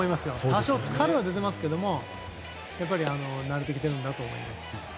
多少、疲れは出てますけど上がってきてるんだと思います。